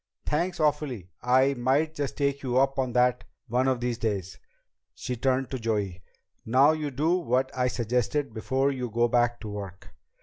"Thanks awfully. I might just take you up on that one of these days." She turned to Joey. "Now you do what I suggested before you go back to work."